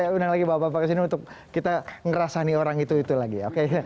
saya undang lagi bapak bapak kesini untuk kita ngerasani orang itu itu lagi